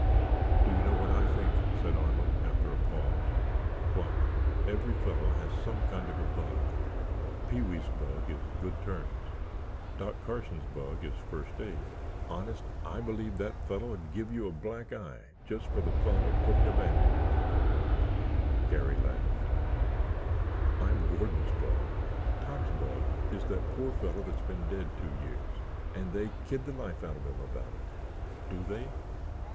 "Do you know what I think?" said Arnold, after a pause. "What?" "Every fellow has some kind of a bug. Pee wee's bug is good turns. Doc Carson's bug is first aid—honest, I believe that fellow'd give you a black eye just for the fun of putting a bandage on it——" Garry laughed. "I'm Gordon's bug. Tom's bug is that poor fellow that's been dead two years—and they kid the life out of him about it." "Do they?"